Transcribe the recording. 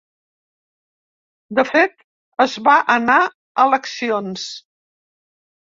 De fet, es va anar eleccions.